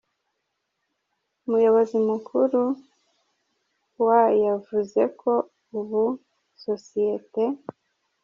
Umuyobozi Mukuru wa yavuze ko ubu sosiyete.